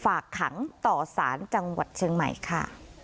ฝากขังต่อสารจังหวัดเชียงใหม่ค่ะ